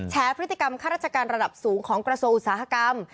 แฉะพฤติกรรมค่ารัชการระดับสูงของกระโสอุตสาหกรรม